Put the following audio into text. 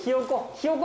ひよこ。